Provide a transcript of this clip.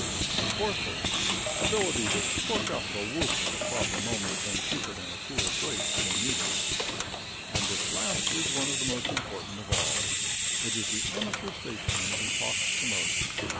Fourthly Ability to cork up the whoop at the proper moment and keep it in a cool place till needed. And this last is one of the most important of all. It is the amateur statesman who talks the most.